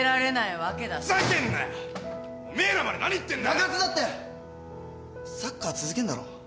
中津だってサッカー続けんだろ？